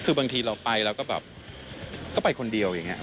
คือบางทีเราไปแล้วก็แบบก็ไปคนเดียวอย่างนี้